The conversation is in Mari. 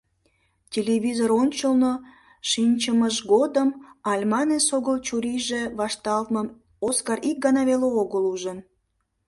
Телевизор ончылно шинчымыж годым Альман эсогыл чурийже вашталтмым Оскар ик гана веле огыл ужын.